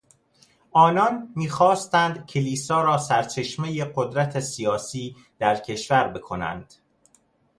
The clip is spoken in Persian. آنان میخواستند کلیسا را سرچشمهی قدرت سیاسی در کشور بکنند.